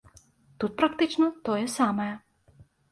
Тут практычна тое самае.